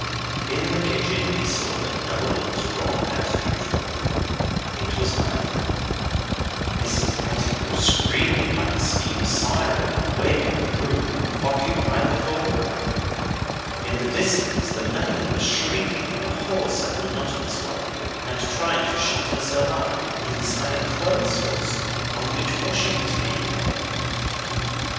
In the kitchen we saw that Noel was wrong as usual. It was neither. Mrs Pettigrew, screaming like a steam siren and waving a broom, occupied the foreground. In the distance the maid was shrieking in a hoarse and monotonous way, and trying to shut herself up inside a clothes horse on which washing was being aired.